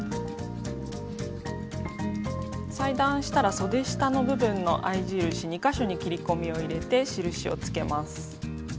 裁断したらそで下の部分の合い印２か所に切り込みを入れて印をつけます。